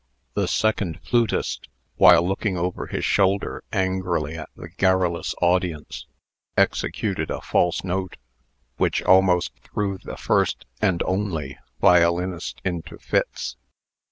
The second flutist, while looking over his shoulder angrily at the garrulous audience, executed a false note, which almost threw the first (and only) violinist into fits.